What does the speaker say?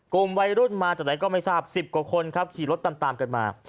กลุ่มวัยรุ่นมาจากไหนก็ไม่ทราบ๑๐กว่าคนครับขี่รถตามกันมา